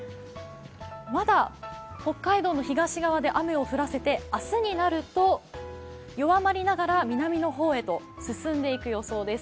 まだ北海道の東側で雨を降らせて明日になると、弱まりながら南の方へと進んでいく予想です。